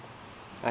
thì chúng tôi